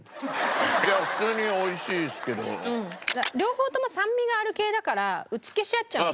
両方とも酸味がある系だから打ち消し合っちゃうのかも。